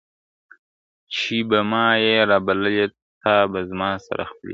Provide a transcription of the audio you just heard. چي به ما یې رابللی ته به زما سره خپلېږي !.